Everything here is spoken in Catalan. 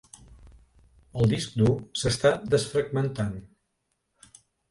El disc dur s'està desfragmentant.